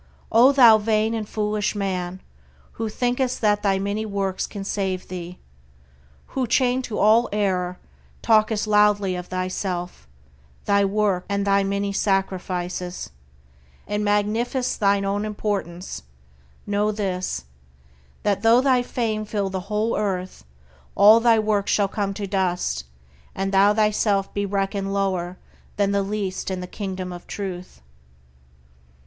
O thou vain and foolish man, who thinkest that thy many works can save thee; who, chained to all error, talkest loudly of thyself, thy work, and thy many sacrifices, and magnifiest thine own importance; know this, that though thy fame fill the whole earth, all thy work shall come to dust, and thou thyself be reckoned lower than the least in the Kingdom of Truth!